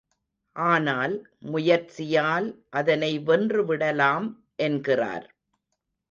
ஆனால், முயற்சியால் அதனை வென்று விடலாம் என்கிறார்.